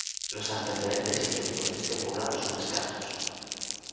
Los antecedentes históricos de este poblado son escasos.